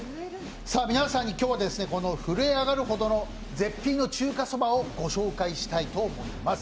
皆さんに今日は、震え上がるほど絶品の中華そばをご紹介したいと思います。